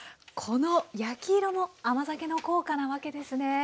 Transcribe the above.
この焼き色も甘酒の効果なわけですね。